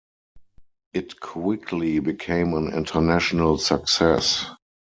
It quickly became an International Success.